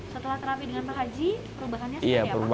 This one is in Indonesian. setelah terapi dengan pak haji perubahannya seperti apa